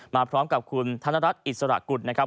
มาพร้อมกับคุณธนรัฐอิสระกุลนะครับ